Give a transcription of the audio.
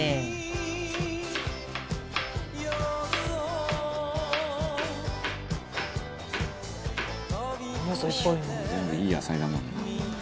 「全部いい野菜だもんな」